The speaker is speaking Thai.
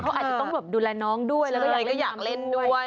เขาอาจจะต้องแบบดูแลน้องด้วยแล้วก็ยายก็อยากเล่นด้วย